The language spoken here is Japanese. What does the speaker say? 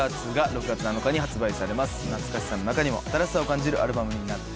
懐かしさの中にも新しさを感じるアルバムになっています。